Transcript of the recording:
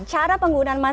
cara penggunaan masker